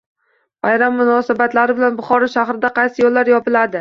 Bayram munosabati bilan Buxoro shahrida qaysi yo‘llar yopiladi?